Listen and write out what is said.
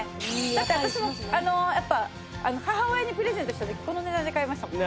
だって私もやっぱ母親にプレゼントした時この値段で買いましたもん。